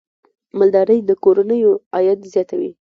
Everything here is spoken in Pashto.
مالدارۍ د کورنیو عاید زیاتوي.